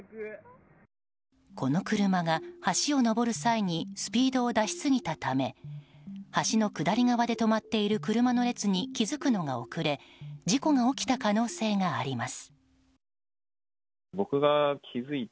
この車が橋を上る際にスピードを出しすぎたため橋の下り側で止まっている車の列に気付くのが遅れ事故が起きた可能性があります。